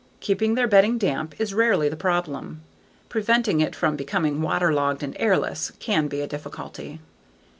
Keeping their bedding damp is rarely the problem; preventing it from becoming waterlogged and airless can be a difficulty.